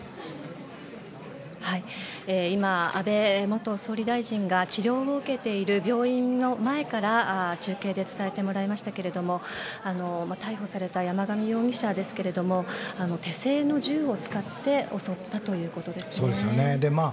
今、安倍元総理大臣が治療を受けている病院の前から中継で伝えてもらいましたが逮捕された山上容疑者ですけども手製の銃を使って襲ったということですね。